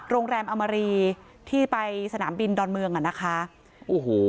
โรงแรมอมรีที่ไปสนามบินดอนเมืองอ่ะนะคะโอ้โห